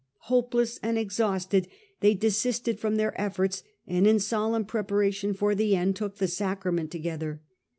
Hopeless and exhausted, they desisted from their efforts, and in solemn prepara tion for the end, took the Sacrament together.